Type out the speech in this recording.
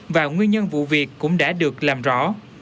và nguyên nhân vụ việc cũng đã được làm rõ